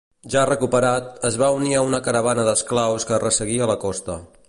Ja recuperat, es va unir a una caravana d'esclaus que resseguia la costa.